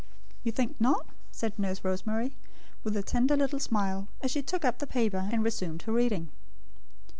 "You think not?" said Nurse Rosemary, with a tender little smile, as she took up the paper, and resumed her reading.